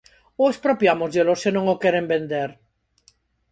¿Ou expropiámosllelo se non o queren vender?